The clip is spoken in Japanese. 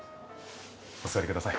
お座りください。